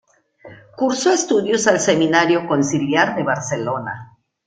Cursó estudios al Seminario Conciliar de Barcelona.